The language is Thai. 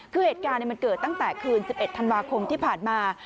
คือเหตุการณ์มันเกิดตั้งแต่คืน๑๑ธันวาคมที่ผ่านมา